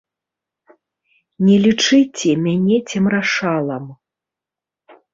Не лічыце мяне цемрашалам.